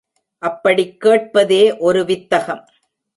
அப்படிக் கேட்பதே ஒரு வித்தகம்.